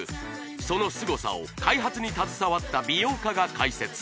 そのすごさを開発に携わった美容家が解説